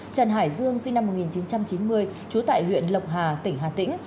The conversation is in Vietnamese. trần hải dương sinh năm một nghìn chín trăm chín mươi trú tại huyện lộc hà tỉnh hà tĩnh